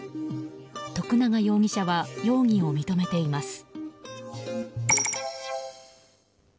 徳永容疑者は容疑を認めています。